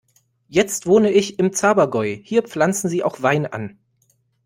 Jetzt wohne ich im Zabergäu, hier pflanzen sie auch Wein an.